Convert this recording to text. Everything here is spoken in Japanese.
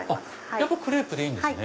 やっぱクレープでいいんですね。